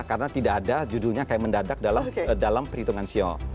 karena tidak ada judulnya kayak mendadak dalam perhitungan sio